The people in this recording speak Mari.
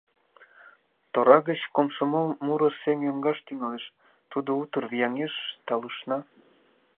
Тора гыч комсомол муро сем йоҥгаш тӱҥалеш, тудо утыр вияҥеш, талышна.